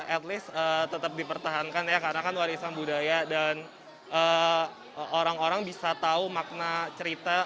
at least tetap dipertahankan ya karena kan warisan budaya dan orang orang bisa tahu makna cerita